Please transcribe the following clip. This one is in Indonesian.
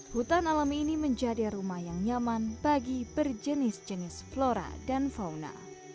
hutan alami ini menjadi rumah yang nyaman bagi berjenis jenis flora dan fauna